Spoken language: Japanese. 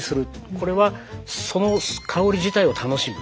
これはその香り自体を楽しむっていうもの。